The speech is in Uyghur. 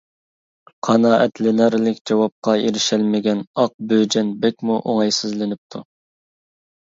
قانائەتلىنەرلىك جاۋابقا ئېرىشەلمىگەن ئاق بۆجەن بەكمۇ ئوڭايسىزلىنىپتۇ.